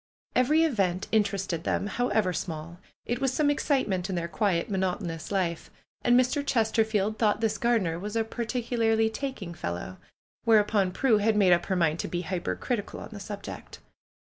Every event inter ested them, however small. It was some excitement in their quiet, monotonous life. And Mr. Chesterfield thought this gardener was a particularly taking" fel low. Whereupon Prue had made up her mind to be hypercritical on the subject.